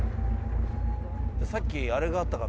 さっきあれがあったから。